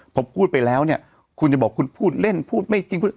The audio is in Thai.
ผมพูดไปแล้วเนี่ยคุณจะบอกคุณพูดเล่นพูดไม่จริง